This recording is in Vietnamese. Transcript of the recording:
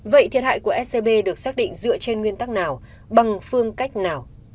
vậy thiệt hại của scb được xác định dựa trên nguyên tắc nào bằng phương cách nào